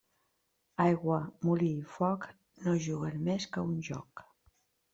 Aigua, molí i foc, no juguen més que a un joc.